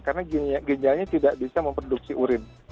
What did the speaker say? karena gejalanya tidak bisa memproduksi urin